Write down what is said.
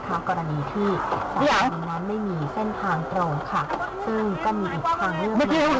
คุณแสงขวาขึ้นมาคุณแสงขวาขึ้นมา